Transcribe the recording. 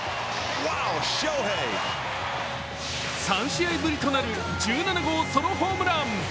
３試合ぶりとなる１７号ソロホームラン。